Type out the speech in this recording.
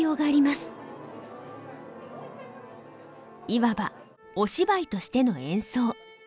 いわば「お芝居」としての演奏。